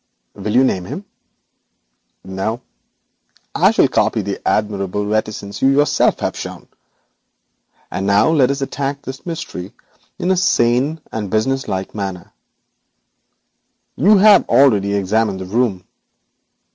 'Will you name him?' 'No; I shall copy the admirable reticence you yourself have shown. And now let us attack this mystery in a sane and businesslike manner. You have already examined the room.